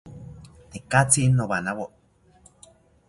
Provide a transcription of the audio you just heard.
Tekatzi nowanawo